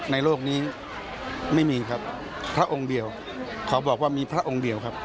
โลกนี้ไม่มีครับพระองค์เดียวขอบอกว่ามีพระองค์เดียวครับ